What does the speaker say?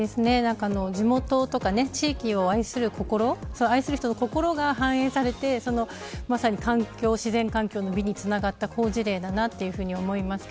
地元とか地域を愛する心愛する人の心が反映されてまさに自然環境の美につながった好事例だと思います。